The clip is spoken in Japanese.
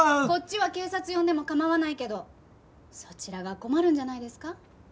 こっちは警察呼んでも構わないけどそちらが困るんじゃないですか？